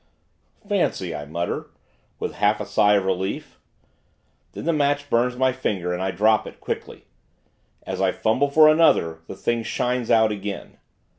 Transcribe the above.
'Fancy!' I mutter, with a half sigh of relief. Then the match burns my finger, and I drop it, quickly. As I fumble for another, the thing shines out again.